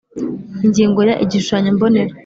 Ingingo Ya Igishushanyo Mbonera